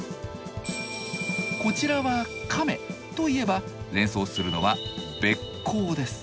こちらは亀といえば連想するのは鼈甲です。